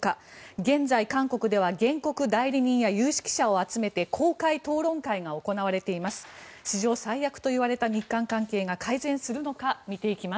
現在、韓国では原告代理人や有識者を集めて公開討論会が行われています。